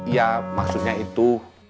ya maksudnya itu